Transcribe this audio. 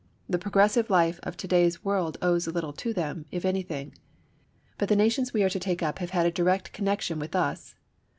The progressive life of to day's world owes little to them, if anything. But the nations we are to take up have had a direct connection with us.